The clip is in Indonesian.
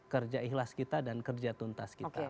kerja ikhlas kita dan kerja tuntas kita